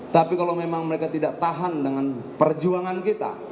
tapi kalau memang mereka tidak tahan dengan perjuangan kita